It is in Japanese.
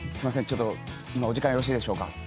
ちょっと今お時間よろしいでしょうか。